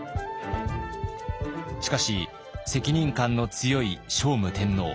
しかし責任感の強い聖武天皇。